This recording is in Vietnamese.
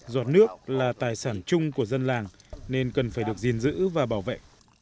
giọt nước là tài sản chung của dân làng nên cần phải được gìn giữ và bảo vệ